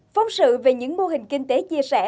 phóng sự về những mô hình kinh tế chia sẻ